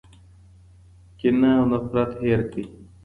کینه او نفرت هیر کړئ.